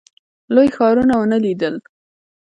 لوی ښارونه ونه لیدل.